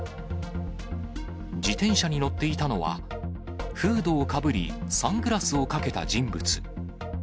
自転車に乗っていたのは、フードをかぶり、サングラスをかけた人物。